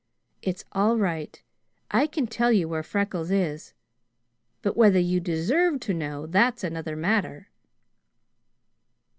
It's all right. I can tell you where Freckles is; but whether you deserve to know that's another matter!"